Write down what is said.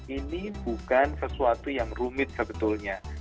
ini bukan sesuatu yang rumit sebetulnya